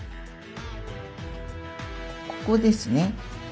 ここですね。